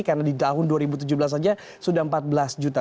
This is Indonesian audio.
karena di tahun dua ribu tujuh belas saja sudah empat belas juta